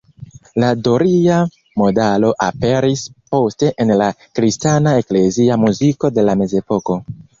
La doria modalo aperis poste en la kristana eklezia muziko de la mezepoko.